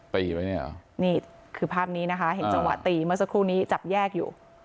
ตีไว้เนี่ยเหรอนี่คือภาพนี้นะคะเห็นจังหวะตีเมื่อสักครู่นี้จับแยกอยู่